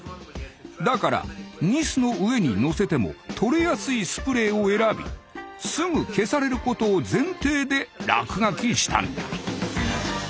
だからニスの上にのせても取れやすいスプレーを選びすぐ消されることを前提で落書きしたんだ。